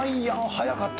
早かった！